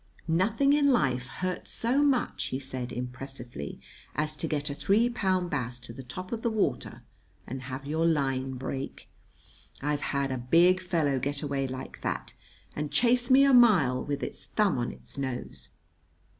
Nothing in life hurts so much," he said impressively, "as to get a three pound bass to the top of the water and have your line break. I've had a big fellow get away like that and chase me a mile with its thumb on its nose."